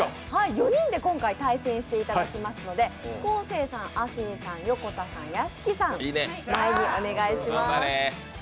４人で今回対戦していただきますので昴生さん、亜生さん、横田さん、屋敷さん、前にお願いします。